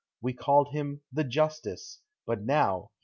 We called him " The Justice," but now he